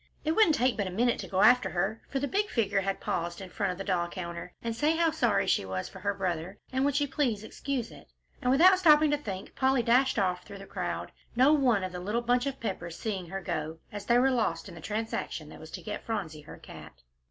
It wouldn't take but a minute to go after her, for the big figure had paused in front of the doll counter, and say how sorry she was, for he was her brother, and would she please to excuse it? And without stopping to think, Polly dashed off through the crowd, no one of the little bunch of Peppers seeing her go, as they were lost in the transaction that was to get Phronsie her cat.